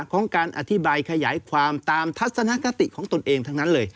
ของการอธิบายขยายความตามทัศนคติของตนเองทั้งนั้นเลย